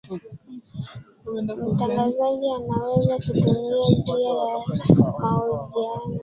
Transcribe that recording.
mtangazaji anaweza kutumia njia ya mahojiano